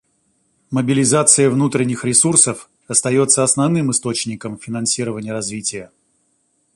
Мобилизация внутренних ресурсов остается основным источником финансирования развития.